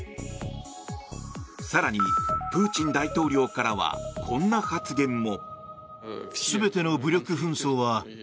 更にプーチン大統領からはこんな発言も。